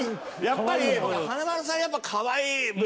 やっぱり華丸さんやっぱかわいい。